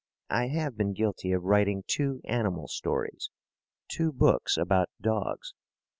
I have been guilty of writing two animal stories two books about dogs.